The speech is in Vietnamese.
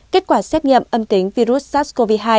kết quả xét nghiệm âm tính virus sars cov hai